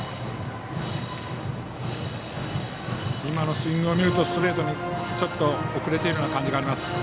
今のスイングを見るとストレートにちょっと遅れているような感じがあります。